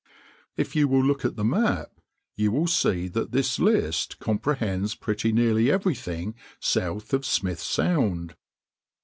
If you will look at the map you will see that this list comprehends pretty nearly everything south of Smith Sound.